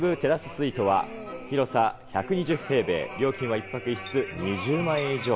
スイートは、広さ１２０平米、料金は１泊１室２０万円以上。